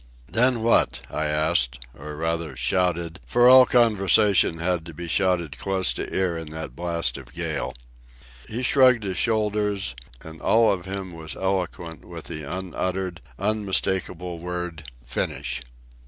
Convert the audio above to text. .." "Then what?" I asked, or, rather, shouted; for all conversation had to be shouted close to ear in that blast of gale. He shrugged his shoulders, and all of him was eloquent with the unuttered, unmistakable word—"finish."